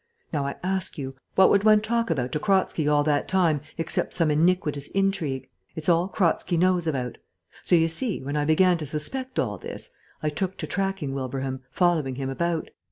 Now, I ask you, what would one talk about to Kratzky all that time except some iniquitous intrigue? It's all Kratzky knows about. So, you see, when I began to suspect all this, I took to tracking Wilbraham, following him about.